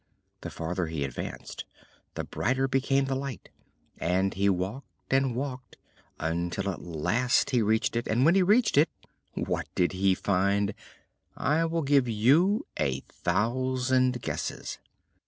The farther he advanced the brighter became the light; and he walked and walked until at last he reached it; and when he reached it what did he find? I will give you a thousand guesses.